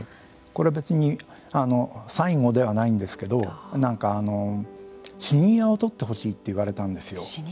これ、別に最後ではないんですけどなんか死に際を撮ってほしいって言われたんですよ。